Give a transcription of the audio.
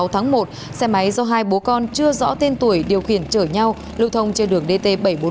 sáu tháng một xe máy do hai bố con chưa rõ tên tuổi điều khiển chở nhau lưu thông trên đường dt bảy trăm bốn mươi